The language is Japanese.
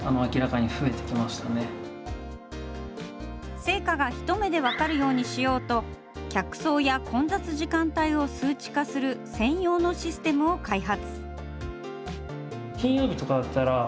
成果が一目で分かるようにしようと、客層や混雑時間帯を数値化する専用のシステムを開発。